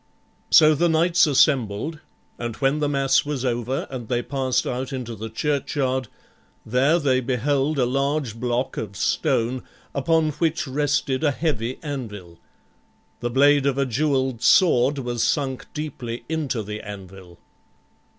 So the knights assembled, and when the mass was over and they passed out into the churchyard, there they beheld a large block of stone, upon which rested a heavy anvil. The blade of a jeweled sword was sunk deeply into the anvil.